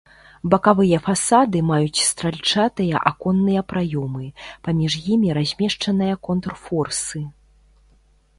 Бакавыя фасады маюць стральчатыя аконныя праёмы, паміж імі размешчаныя контрфорсы.